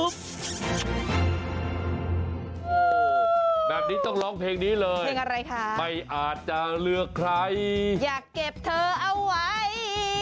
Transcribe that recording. แบบนี้ต้องร้องเพลงนี้เลยไม่อาจจะเลือกใครทั้งสามคนอยากเก็บเธอเอาไว้